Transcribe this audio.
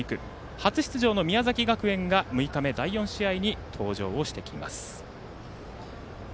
初出場の宮崎学園が６日目第４試合に登場してきます。